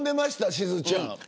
しずちゃん。